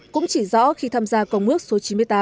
cũng chỉ rõ khi tham gia công ước số chín mươi tám